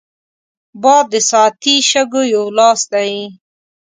باد د ساعتي شګو یو لاس دی